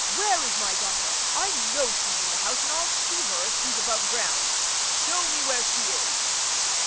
Where is my daughter? I know she's in the house, and I'll see her if she's above ground. Show me where she is."